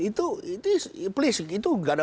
itu please itu gak ada